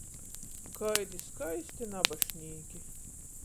Kaidi skaisti nabašnīki!